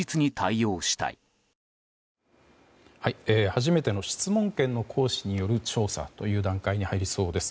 初めての質問権の行使による調査という段階に入りそうです。